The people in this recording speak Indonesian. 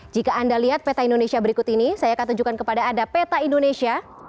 jika anda lihat peta indonesia berikut ini saya akan tunjukkan kepada anda peta indonesia